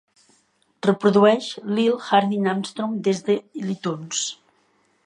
Reprodueix Lil Hardin Armstrong des de l'Itunes.